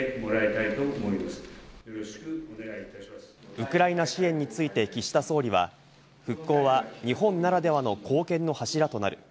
ウクライナ支援について岸田総理は復興は日本ならではの貢献の柱となる。